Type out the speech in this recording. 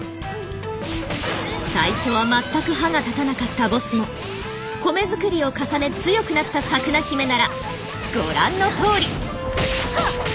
最初は全く歯が立たなかったボスも米作りを重ね強くなったサクナヒメならご覧のとおり。